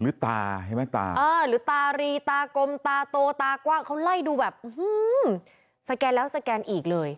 หรือตาหรือตารีตากลมตาโตตากว้างเขาไล่ดูแบบสแกนแล้วสแกนอีกเลย